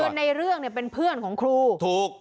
คือในเรื่องเป็นเพื่อนของครู